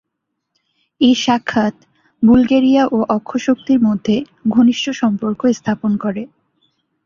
এই সাক্ষাৎ বুলগেরিয়া ও অক্ষশক্তির মধ্যে ঘনিষ্ঠ সম্পর্ক স্থাপন করে।